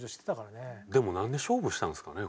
でもなんで勝負したんですかね？